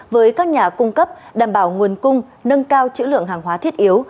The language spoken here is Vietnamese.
với các nhà cung cấp đảm bảo nguồn cung nâng cao chữ lượng hàng hóa thiết yếu